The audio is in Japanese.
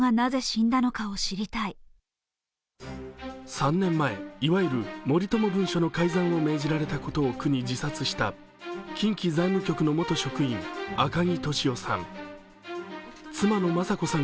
３年前、いわゆる森友文書の改ざんを命じられたことを苦に自殺した近畿財務局の元職員、赤木俊夫さん。